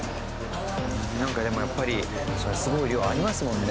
なんかでもやっぱりそりゃすごい量ありますもんね。